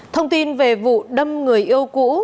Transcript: thông tin về vụ đâm người yêu cũ